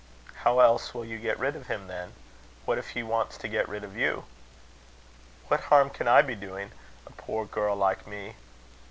"How else will you get rid of him, then? What if he wants to get rid of you?" "What harm can I be doing him a poor girl like me?"